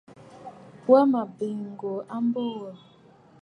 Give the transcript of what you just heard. Wa mə̀ biì ŋ̀gòò a mbo wò.